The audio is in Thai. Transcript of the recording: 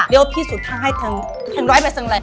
เรียลุยปี่สูธรท่างให้ทั้งแพนร้อยไปซังไร